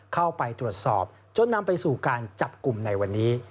เข้าไปตรวจสอบจนนำไปสู่การจับกลุ่มในวันนี้